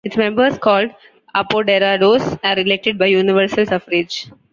Its members, called "apoderados", are elected by universal suffrage.